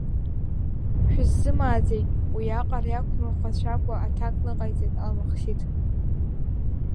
Шәысзымааӡеит, уи аҟара иақәмырӷәӷәацәакәа аҭак ныҟаиҵеит Алмахсиҭ.